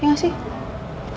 ya gak sih